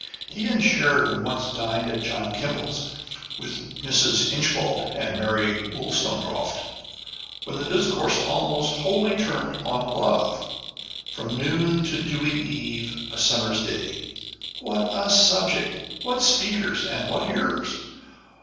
He and Sheridan once dined at John Kemble's with Mrs. Inchbald and Mary Woolstonecroft, when the discourse almost wholly turned on Love " from noon to dewy eve, a summer's day!" What a subject! What speakers, and what hearers